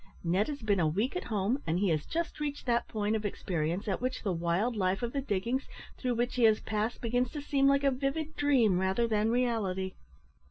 Ned has been a week at home, and he has just reached that point of experience at which the wild life of the diggings through which he has passed begins to seem like a vivid dream rather than reality.